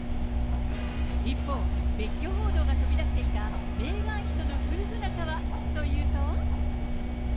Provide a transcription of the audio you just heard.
一方、別居報道が飛び出していたメーガン妃との夫婦仲はというと。